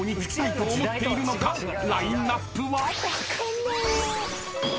［ラインアップは］